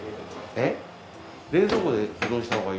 えっ？